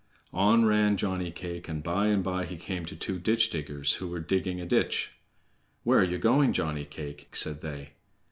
On ran Johnny cake, and by and by he came to two ditch diggers who were digging a ditch. "Where ye going, Johnny cake?" said they.